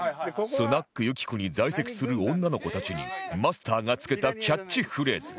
スナック雪子に在籍する女の子たちにマスターが付けたキャッチフレーズ